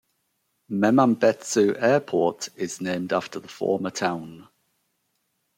Memanbetsu Airport is named after the former town.